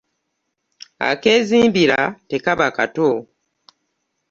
Akeezimbira tekaba kato.